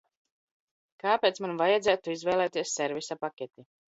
Kāpēc man vajadzētu izvēlēties servisa paketi?